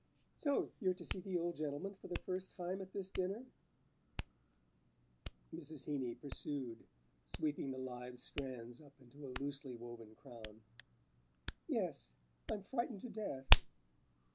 "So you're to see the old gentleman for the first time at this dinner?" Mrs. Heeny pursued, sweeping the live strands up into a loosely woven crown. "Yes. I'm frightened to death!"